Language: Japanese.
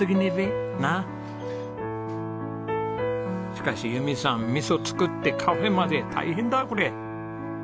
しかし由美さん味噌作ってカフェまで大変だこれ。